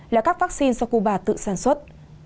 là các vaccine do cuba tự sản xuất